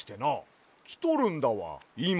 きとるんだわいま。